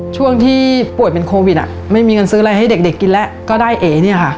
ช่วงที่ป่วยเป็นโควิดไม่มีเงินซื้ออะไรให้เด็กกินแล้วก็ได้เอ๋เนี่ยค่ะ